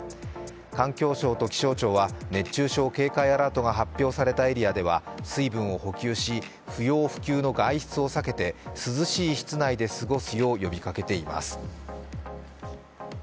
環境省と気象庁は熱中症警戒アラートが発表されたエリアでは水分を補給し、不要不急の外出を避けて涼しい室内で過ごすよう呼びかけています。